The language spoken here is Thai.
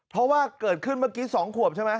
เพราะว่าเกิดขึ้นเมื่อกี้๒ขวบใช่ไหม